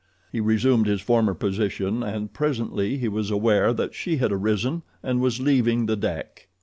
He resumed his former position, and presently he was aware that she had arisen and was leaving the deck.